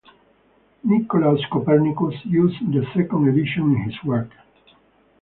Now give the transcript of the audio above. Nicolaus Copernicus used the second edition in his work.